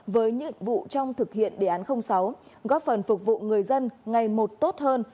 với nhiệm vụ trong thực hiện đề án sáu góp phần phục vụ người dân ngày một tốt hơn